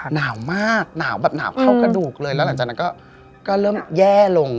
หนาวมากหนาวแบบหนาวเข้ากระดูกเลยแล้วหลังจากนั้นก็เริ่มแย่ลง